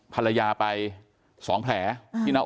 กลุ่มตัวเชียงใหม่